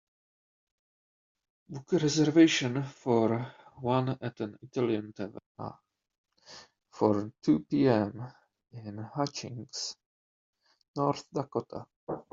Book a reservation for one at an italian taverna for two Pm in Hutchings, North Dakota